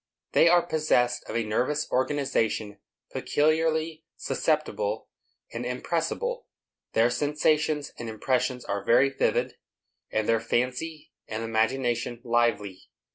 They are possessed of a nervous organization peculiarly susceptible and impressible. Their sensations and impressions are very vivid, and their fancy and imagination lively.